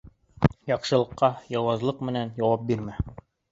Яҡшылыҡҡа яуызлыҡ менән яуап бирмә.